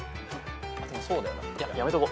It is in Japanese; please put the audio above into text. でもそうだよなやめとこ。